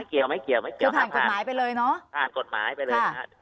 เกี่ยวไม่เกี่ยวไม่เกี่ยวผ่านกฎหมายไปเลยเนอะผ่านกฎหมายไปเลยนะฮะ